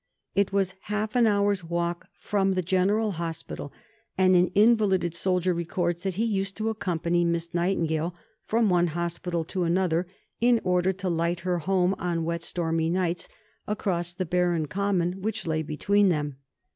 It was half an hour's walk from the General Hospital, and an invalided soldier records that he used to accompany Miss Nightingale from one hospital to another in order to light her home on wet stormy nights, across the barren common which lay between them.